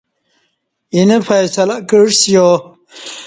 اینہ فیصلہ کعسیا